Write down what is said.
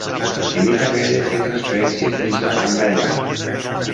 Evita haver de fer transferències dins la cambra de bany.